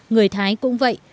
người thái cũng vậy